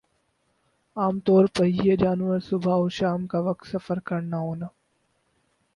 عام طور پر یِہ جانور صبح اور شام کا وقت سفر کرنا ہونا